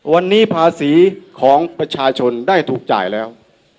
วันนี้ภาษีของประชาชนได้ถูกจ่ายแล้ว